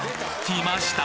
きました！